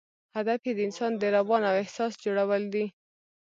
هدف یې د انسان د روان او احساس جوړول دي.